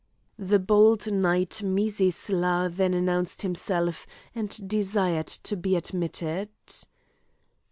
The bold knight Mizisla then announced himself and desired to be admitted.